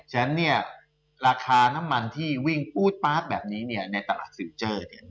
ฉะนั้นราคาน้ำมันที่วิ่งปู๊ดป๊าดแบบนี้ในตลาดซิลเจอร์